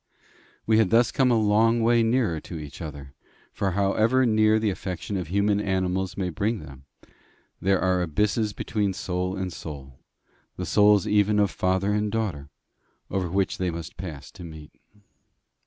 We had thus come a long way nearer to each other; for however near the affection of human animals may bring them, there are abysses between soul and soul the souls even of father and daughter over which they must pass to meet.